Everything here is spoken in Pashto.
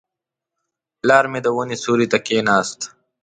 پلار مې د ونې سیوري ته کښېناست.